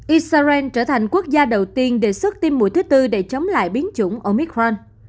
israel trở thành quốc gia đầu tiên đề xuất tiêm mũi thứ tư để chống lại biến chủng omicron